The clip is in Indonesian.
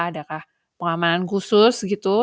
adakah pengamanan khusus gitu